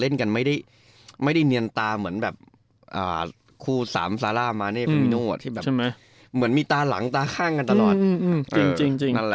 เช่นที่มีตาหลังตาข้างกันตลอด